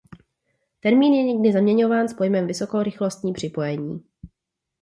Termín je někdy zaměňován s pojmem vysokorychlostní připojení.